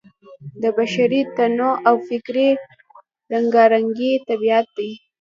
د بشري تنوع او فکري رنګارنګۍ طبیعت دی.